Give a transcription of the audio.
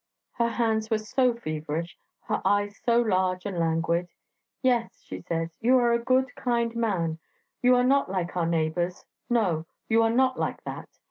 Her hands were so feverish, her eyes so large and languid... 'Yes,' she says, 'you are a good, kind man; you are not like our neighbours... No, you are not like that...